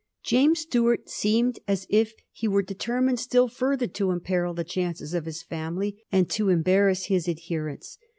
James Stuart seemed as if he were determined still further to imperil the chances of his family, and to •embarrass his adherents.